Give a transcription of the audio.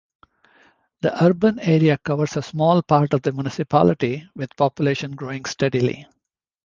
The urban area covers a small part of the municipality, with population growing steadily.